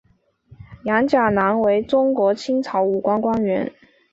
杨钾南为中国清朝武官官员。